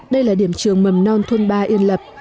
đây là điểm trường mầm non thôn ba yên lập